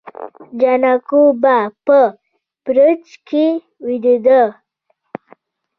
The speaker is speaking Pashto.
جانکو به په برج کې ويدېده.